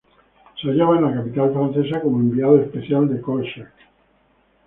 Se hallaba en la capital francesa como enviado especial de Kolchak.